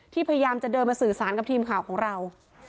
พยายามจะเดินมาสื่อสารกับทีมข่าวของเรา